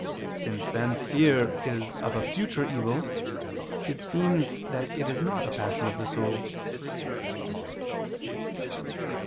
Since, then, fear is of future evil, it seems that it is not a passion of the soul.